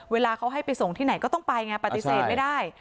เวลาเขาให้ไปส่งที่ไหนก็ต้องไปไงปฏิเสธไม่ได้